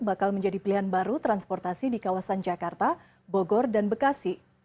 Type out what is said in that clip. bakal menjadi pilihan baru transportasi di kawasan jakarta bogor dan bekasi